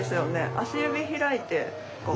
足指開いてこう。